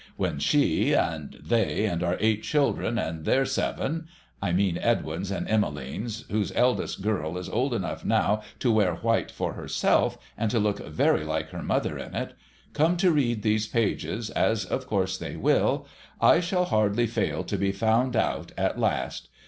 When she, and they, and our eight children and their seven — I mean Edwin's and Emmeline's, whose eldest girl is old enough now to wear white for herself, and to look very like her mother in it — come to read these pages, as of course they will, I shall hardly fail to be found out at last.